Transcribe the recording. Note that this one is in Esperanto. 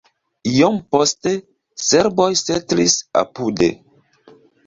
Iom poste serboj setlis apude.